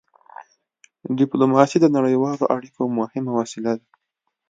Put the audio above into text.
ډيپلوماسي د نړیوالو اړیکو مهمه وسيله ده.